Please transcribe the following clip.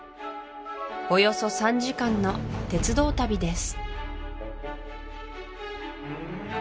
およそ３時間の鉄道旅です